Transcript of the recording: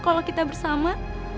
kalau kita bersama